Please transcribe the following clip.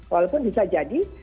walaupun bisa jadi